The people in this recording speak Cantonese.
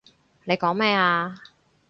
你講咩啊？